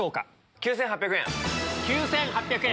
９８００円。